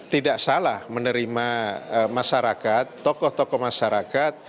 tidak salah menerima masyarakat tokoh tokoh masyarakat